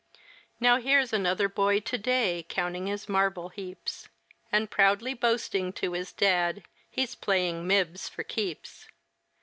Now here's another boy to day, counting his marble heaps And proudly boasting to his dad he's playing mibs for keeps!